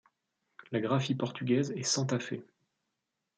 La graphie portugaise est Santa Fé.